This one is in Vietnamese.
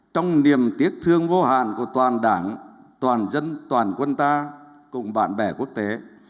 trong niềm tiếc thương vô hạn của toàn đảng toàn dân toàn quân ta cùng bạn bè quốc tế